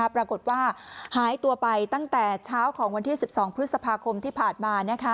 ปรากฏว่าหายตัวไปตั้งแต่เช้าของวันที่๑๒พฤษภาคมที่ผ่านมา